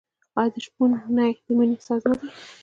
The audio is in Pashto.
آیا د شپون نی د مینې ساز نه دی؟